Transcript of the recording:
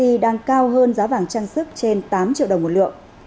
giá vàng sgc đang cao hơn giá vàng trang sức trên tám triệu đồng một lượng